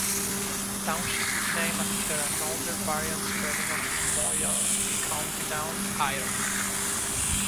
The township is named after an older variant spelling of Moyallen, County Down, Ireland.